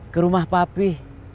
ke rumah papi